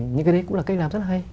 nhưng cái đấy cũng là cách làm rất hay